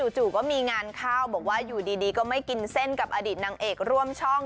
จู่ก็มีงานเข้าบอกว่าอยู่ดีก็ไม่กินเส้นกับอดีตนางเอกร่วมช่อง